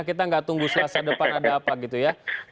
kita nggak tunggu selasa depan ada apa gitu ya